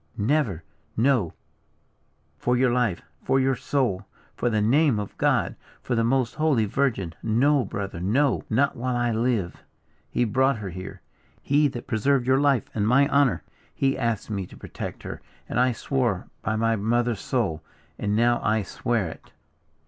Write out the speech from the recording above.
"Never, no! for your life! for your soul! for the name of God! for the most holy virgin! no, brother, no; not while I live! He brought her here. He that preserved your life and my honour. He asked me to protect her! and I swore by my mother's soul; and now I swear it!"